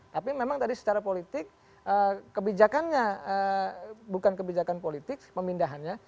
tapi memang tadi secara politik kebijakannya bukan kebijakan politik pemindahannya